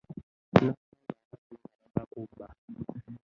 Nasaanze ababbi nga bava kubba.